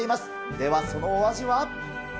ではそのお味は。